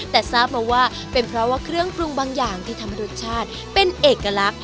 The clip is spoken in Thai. แต่ทราบมาว่าเป็นเพราะว่าเครื่องปรุงบางอย่างที่ทำให้รสชาติเป็นเอกลักษณ์